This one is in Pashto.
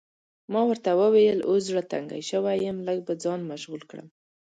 ما ورته وویل اوس زړه تنګ شوی یم، لږ به ځان مشغول کړم.